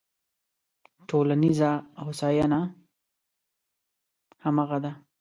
ټولنیزه هوساینه همغه ده.